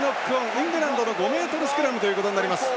イングランドの５ｍスクラムということになります。